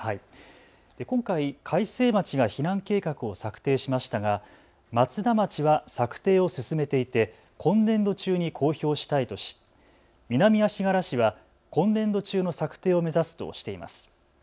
今回、開成町が避難計画を策定しましたが松田町は策定を進めていて今年度中に公表したいとし南足柄市は今年度中の策定を目指すとしています。